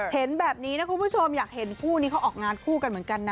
เห็นแบบนี้นะคุณผู้ชมอยากเห็นคู่นี้เขาออกงานคู่กันเหมือนกันนะ